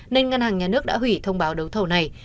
nên ngân hàng nhà nước đã hủy thông báo đấu thầu này